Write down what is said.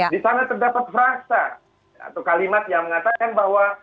di sana terdapat frasa atau kalimat yang mengatakan bahwa